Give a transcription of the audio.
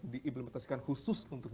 diimplementasikan khusus untuk g dua puluh